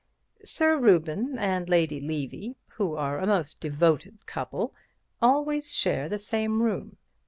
"Sir Reuben and Lady Levy, who are a most devoted couple, always share the same room.